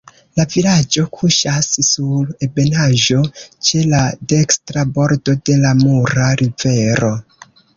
La vilaĝo kuŝas sur ebenaĵo, ĉe la dekstra bordo de la Mura Rivero.